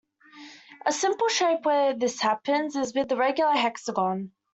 A simple shape where this happens is with the regular hexagon.